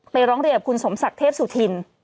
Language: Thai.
ร้องเรียนกับคุณสมศักดิ์เทพสุธิน